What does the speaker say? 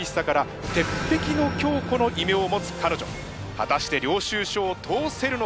果たして領収書を通せるのか。